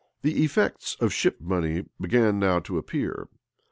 } The effects of ship money began now to appear.